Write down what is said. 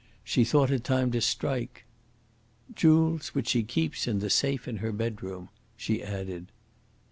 She thought it time to strike. "Jewels which she keeps in the safe in her bedroom," she added.